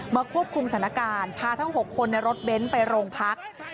มาควบคุมสถานการณ์พาทั้ง๖คนในรถเบนต์ไปความความสงสัย